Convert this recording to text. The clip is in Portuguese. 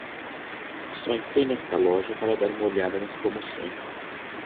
Só entrei nesta loja para dar uma olhada nas promoções.